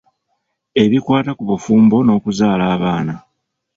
Ebikwata ku bufumbo n’okuzaala abaana.